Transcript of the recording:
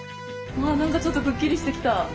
うわ何かちょっとくっきりしてきた！